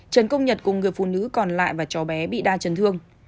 trần công nhật cùng người phụ nữ còn lại và cháu bé bị đa chấn thương